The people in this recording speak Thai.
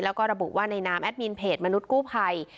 แล้วก็ระบุว่าในนามแอดมินเพจมนุษย์กู้ภัย